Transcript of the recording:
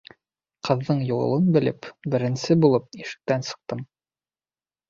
Ҡыҙҙың юлын бүлеп, беренсе булып, ишектән сыҡтым.